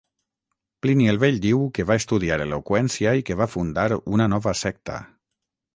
Plini el Vell diu que va estudiar eloqüència i que va fundar una nova secta.